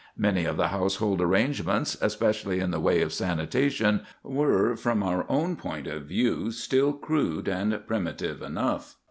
Many of the household arrangements, especially in the way of sanitation, were from our own point of view still crude and primitive enough.